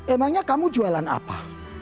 emangnya kamu jualan apa